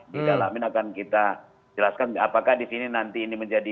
didalamin akan kita jelaskan apakah disini nanti ini menjadi